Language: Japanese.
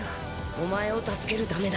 お前を助けるためだ。